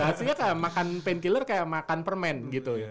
hasilnya kayak makan painkiller kayak makan permen gitu